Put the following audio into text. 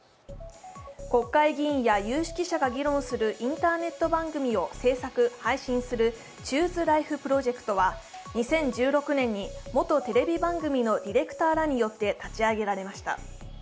国会議員や有識者が議論するインターネット番組を制作・配信するＣｈｏｏｓｅＬｉｆｅＰｒｏｊｅｃｔは２０１６年に元テレビ番組のディレクターらによって立ち上げられました。